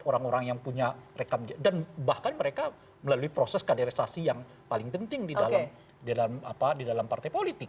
orang orang yang punya rekam dan bahkan mereka melalui proses kaderisasi yang paling penting di dalam partai politik